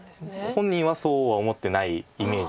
本人はそうは思ってないイメージです。